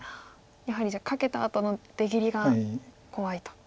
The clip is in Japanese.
やはりじゃあカケたあとの出切りが怖いと。